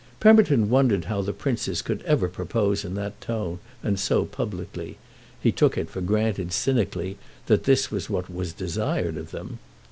Pemberton wondered how the princes could ever propose in that tone and so publicly: he took for granted cynically that this was what was desired of them.